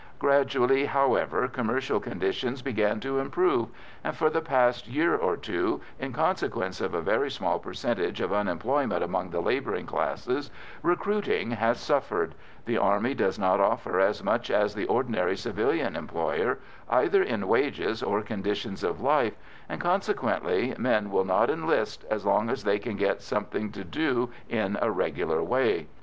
Gradually, however, commercial conditions began to improve, and for the past year or two, in consequence of a very small percentage of unemployment among the labouring classes, recruiting has suffered the Army does not offer as much as the ordinary civilian employer, either in wages or conditions of life, and consequently men will not enlist as long as they can get something to do in a regular way.